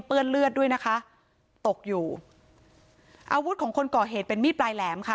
เลือดด้วยนะคะตกอยู่อาวุธของคนก่อเหตุเป็นมีดปลายแหลมค่ะ